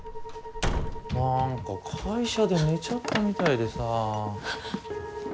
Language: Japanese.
なんか会社で寝ちゃったみたいでさ。